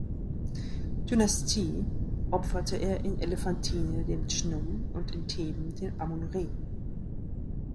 Dynastie, opferte er in Elephantine dem Chnum und in Theben dem Amun-Re.